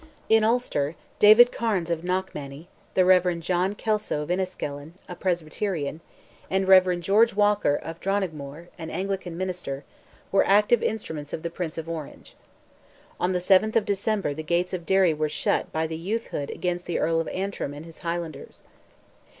In Ulster, David Cairnes of Knockmany, the Rev. John Kelso of Enniskillen, a Presbyterian, and Rev. George Walker of Donaghmore, an Anglican minister, were active instruments of the Prince of Orange. On the 7th of December the gates of Derry were shut by "the youthhood" against the Earl of Antrim and his Highlanders.